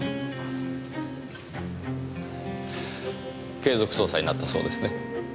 継続捜査になったそうですね。